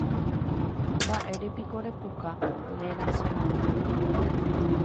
Mba'érepiko repuka nerasẽrãngue.